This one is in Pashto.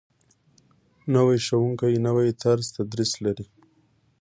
نوی ښوونکی نوی طرز تدریس لري